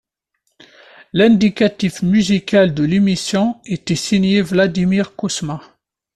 L'indicatif musical de l'émission était signé Vladimir Cosma.